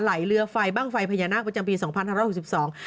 ไหลเรือไฟบ้างไฟพญานาคประจำปีสองพันห้าร้อยหกสิบสอง